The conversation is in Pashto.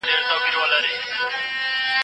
پخوا زده کوونکي ستونزې لرلې.